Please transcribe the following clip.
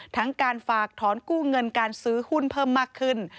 ทั้งการฝากถอนกู้เงินการซื้อหุ้นเพิ่มมากขึ้น